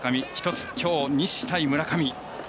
１つ、きょう、西対村上。